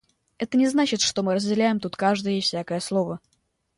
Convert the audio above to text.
Это не значит, что мы разделяем тут каждое и всякое слово.